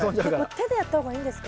手でやった方がいいんですか？